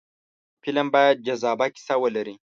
فلم باید جذابه کیسه ولري